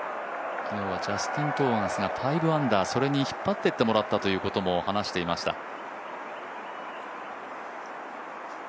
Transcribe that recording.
昨日はジャスティン・トーマスが５アンダーそれに引っ張っていってもらったということを話していました。